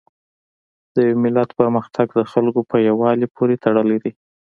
د یو ملت پرمختګ د خلکو په یووالي پورې تړلی دی.